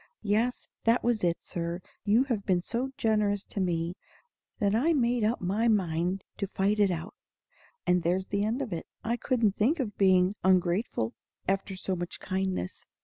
Yes; that was it, Sir. You had been so generous to me, that I made up my mind to fight it out; and there's the end of it. I couldn't think of being ungrateful after so much kindness."